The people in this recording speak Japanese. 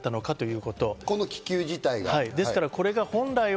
この気球自体が。